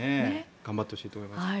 頑張ってほしいと思います。